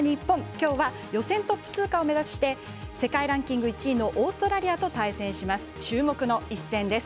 きょうは予選トップ通過を目指して世界ランキング１位のオーストラリアと対戦します。